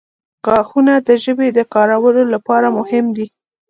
• غاښونه د ژبې د کارولو لپاره مهم دي.